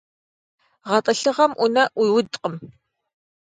ГъэтӀылъыгъэм Ӏунэ Ӏуиудкъым.